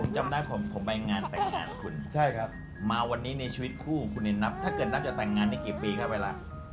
ใช่ครับคุณมาวันนี้ในชีวิตคู่ของคุณอินทรัพย์ถ้าเกิดนับจะแต่งงานในกี่ปีค่ะเวลา